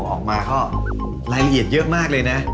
ออกมาก็รายละเอียดเยอะมากเลยนะ